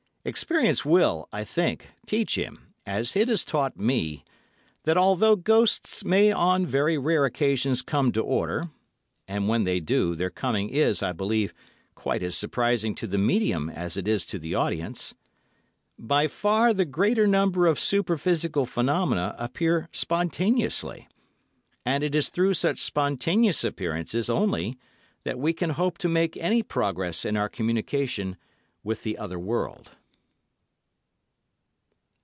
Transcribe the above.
Experience will, I think, teach him, as it has taught me, that although ghosts may on very rare occasions come to order—and when they do, their coming is, I believe, quite as surprising to the medium as it is to the audience—by far the greater number of superphysical phenomena appear spontaneously; and it is through such spontaneous appearances only that we can hope to make any progress in our communication with the other world.